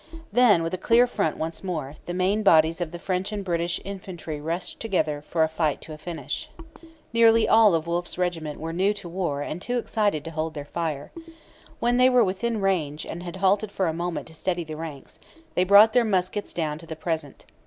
Then, with a clear front once more, the main bodies of the French and British infantry rushed together for a fight to a finish. Nearly all of Wolfe's regiment were new to war and too excited to hold their fire. When they were within range, and had halted for a moment to steady the ranks, they brought their muskets down to the 'present.'